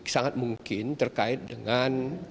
sangat mungkin terkait dengan